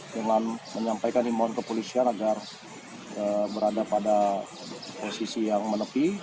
dengan menyampaikan imbauan kepolisian agar berada pada posisi yang menepi